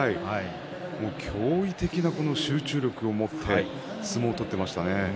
驚異的な集中力を持って相撲を取っていましたね。